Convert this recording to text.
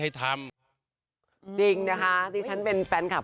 ไก่หานจริงน่ารักมาก